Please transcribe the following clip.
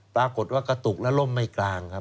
ปรากฏว่ากระตุกและร่มไม่กลางครับ